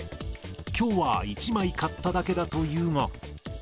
きょうは１枚買っただけだというが。